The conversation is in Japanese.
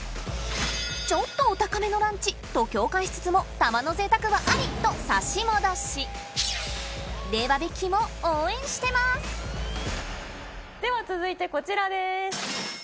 ちょっとお高めのランチと共感しつつもたまのぜいたくはありと令和ベッキーも応援してますでは続いてこちらです。